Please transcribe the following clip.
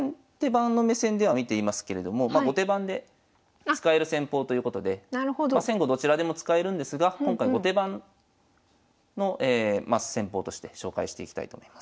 番の目線では見ていますけれども後手番で使える戦法ということで先後どちらでも使えるんですが今回後手番の戦法として紹介していきたいと思います。